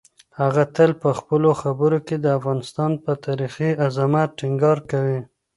هغه تل په خپلو خبرو کې د افغانستان پر تاریخي عظمت ټینګار کوي.